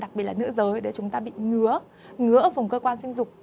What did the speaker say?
đặc biệt là nữ giới để chúng ta bị ngứa ngứa ở vùng cơ quan sinh dục